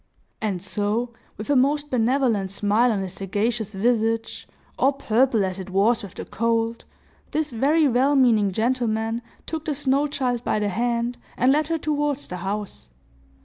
And so, with a most benevolent smile on his sagacious visage, all purple as it was with the cold, this very well meaning gentleman took the snow child by the hand and led her towards the house.